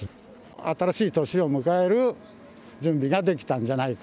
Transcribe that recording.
新しい年を迎える準備ができたんじゃないか。